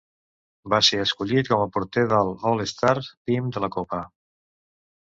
Va ser escollit com a porter del All-Star Team de la Copa.